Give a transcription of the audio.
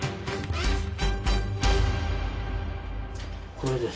これです。